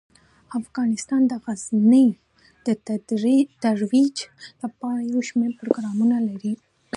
افغانستان د غزني د ترویج لپاره یو شمیر پروګرامونه لري.